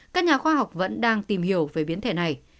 các nhà khoa học vẫn đang tìm hiểu về biến thể này